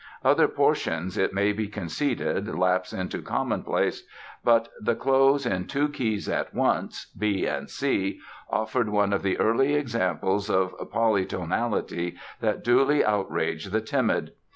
Other portions, it may be conceded, lapse into commonplace, but the close in two keys at once (B and C) offered one of the early examples of polytonality that duly outraged the timid.